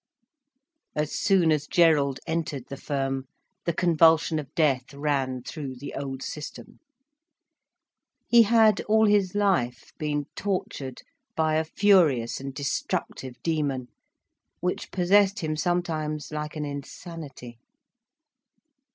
As soon as Gerald entered the firm, the convulsion of death ran through the old system. He had all his life been tortured by a furious and destructive demon, which possessed him sometimes like an insanity.